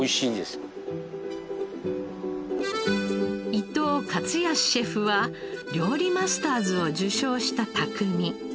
伊藤勝康シェフは「料理マスターズ」を受賞した匠。